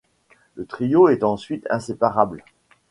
Le trio est ensuite inséparable.